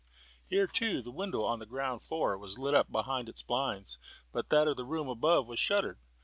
Here, too, the window on the ground floor was lit up behind its blinds, but that of the room above was shuttered.